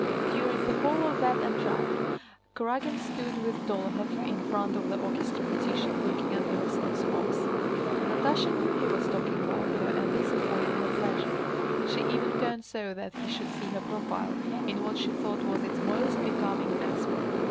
During the whole of that entr'acte Kurágin stood with Dólokhov in front of the orchestra partition, looking at the Rostóvs' box. Natásha knew he was talking about her and this afforded her pleasure. She even turned so that he should see her profile in what she thought was its most becoming aspect.